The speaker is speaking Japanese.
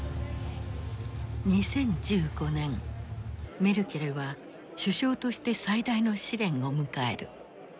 メルケルは首相として最大の試練を迎える。